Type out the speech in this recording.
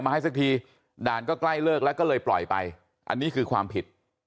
ให้สักทีด่านก็ใกล้เลิกแล้วก็เลยปล่อยไปอันนี้คือความผิด